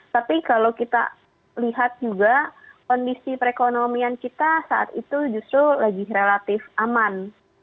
tapi kalau kita lihat juga kondisi perekonomian kita saat itu justru lagi relatif aman